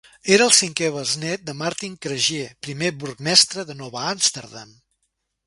Era el cinquè besnet de Martin Cregier, primer burgmestre de Nova Amsterdam.